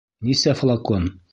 Нисә флакон?